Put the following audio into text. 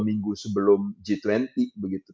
minggu sebelum g dua puluh begitu